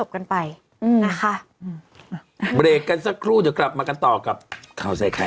ตั้งตั้งตั้ง